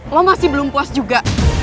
lo masih belum puas juga